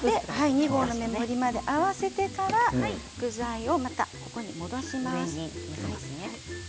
２合の目盛りまで合わせてから具材を戻します。